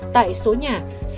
tại số nhà